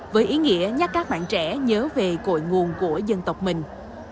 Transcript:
với ý nghĩa nhắc các bạn trẻ nhớ về cội nguồn của dân tộc mình